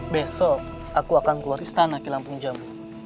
besok aku akan keluar istana kilampung jamu